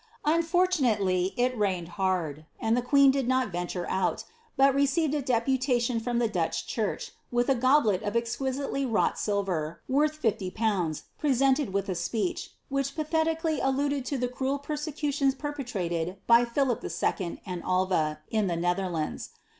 Unfortunately, it rained hard, and the queen did not ▼eoture out, but received a deputation from the Dutch church, with a goblet of exquisitely wrought silver, worth fifty pounds, presented with a speech, which pathetically alluded to the cruel persecutions perpe trated by Philip II. and Alva, in the Netherlands.